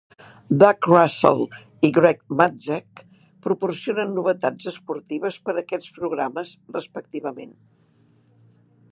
Doug Russell i Greg Matzek proporcionen novetats esportives per a aquests programes, respectivament.